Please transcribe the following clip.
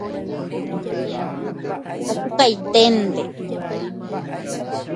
Apukaiténte.